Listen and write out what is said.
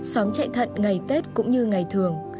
xóm chạy thận ngày tết cũng như ngày thường